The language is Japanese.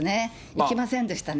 行きませんでしたね。